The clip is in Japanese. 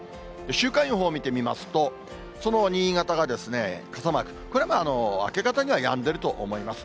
週間予報を見てみますと、その新潟は傘マーク、これは、明け方にはやんでると思います。